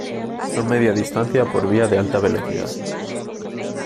son media distancia por vía de alta velocidad